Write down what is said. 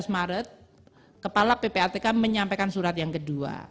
dua belas maret kepala ppatk menyampaikan surat yang kedua